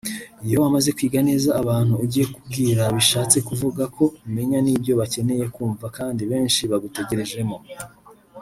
Iyo wamaze kwiga neza abantu ugiye kubwira bishatse kuvuga ko umenya n’ibyo bakeneye kumva kandi benshi bagutegerejemo